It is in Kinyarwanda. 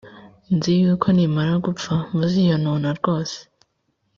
nzi yuko nimara gupfa, muziyonona rwose,